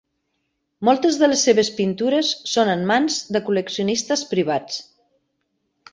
Moltes de les seves pintures són en mans de col·leccionistes privats.